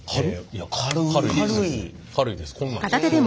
軽いですこんなんです。